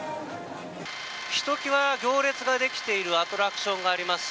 ひときわ行列ができているアトラクションがあります。